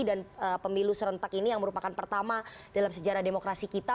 dan pemilu serentak ini yang merupakan pertama dalam sejarah demokrasi kita